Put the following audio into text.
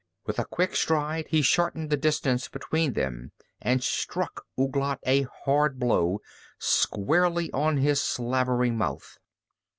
With a quick stride he shortened the distance between them and struck Ouglat a hard blow squarely on his slavering mouth.